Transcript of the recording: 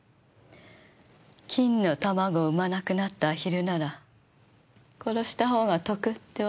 金の卵を産まなくなったアヒルなら殺したほうが得ってわけね。